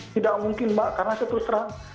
tidak mungkin mbak karena saya terus terang